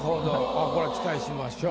あっこれは期待しましょう。